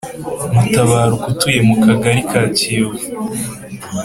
Mutabaruka utuye mu Kagari ka Kiyovu